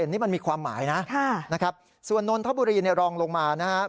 นี่มันมีความหมายนะนะครับส่วนนนทบุรีรองลงมานะครับ